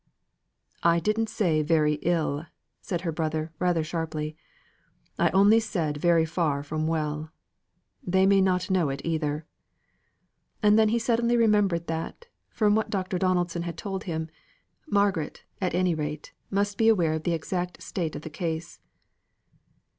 "I didn't say very ill," said her brother, rather sharply. "I only said far from well. They may not know it either." And then he suddenly remembered that, from what Dr. Donaldson had told him, Margaret, at any rate, must be aware of the exact state of the case.